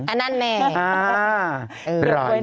อันนั้นแม่อ่าร้อย๒๐ค่ะ